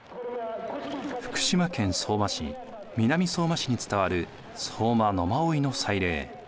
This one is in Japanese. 福島県相馬市・南相馬市に伝わる相馬野馬追の祭礼。